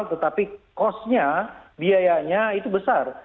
tetapi costnya biayanya itu besar